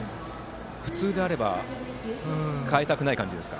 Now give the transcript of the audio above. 普通であれば代えたくない感じですか？